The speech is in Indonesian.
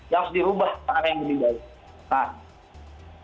yang harus dirubah ke arah yang lebih baik